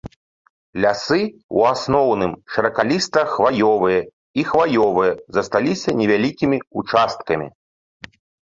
Лясы ў асноўным шыракаліста-хваёвыя і хваёвыя, засталіся невялікімі ўчасткамі.